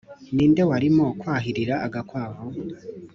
ni nde warimo kwahirira agakwavu ?